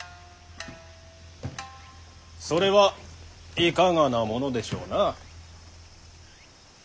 それはいかがなものでしょうな。